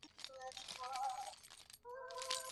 Lissu alikuwa anafananisha kinachoendelea Chato